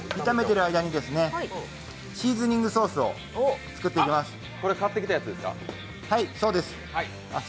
炒めてる間にシーズニングソースを作っていきます。